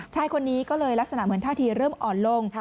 ชายคนนี้ก็เลยลักษณะเหมือนท่าทีเริ่มอ่อนลง